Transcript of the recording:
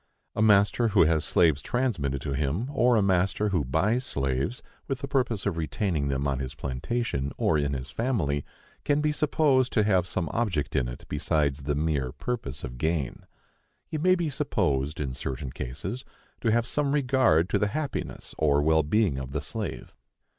A master who has slaves transmitted to him, or a master who buys slaves with the purpose of retaining them on his plantation or in his family, can be supposed to have some object in it besides the mere purpose of gain. He may be supposed, in certain cases, to have some regard to the happiness or well being of the slave.